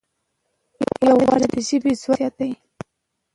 یووالی د ژبې ځواک زیاتوي.